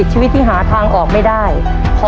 หนึ่งล้าน